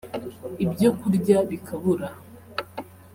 ibyo kurya bikabura